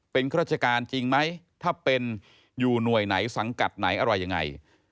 เป็นข้าราชการจริงไหมถ้าเป็นอยู่หน่วยไหนสังกัดไหนอะไรยังไง